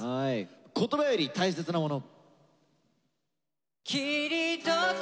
「言葉より大切なもの」。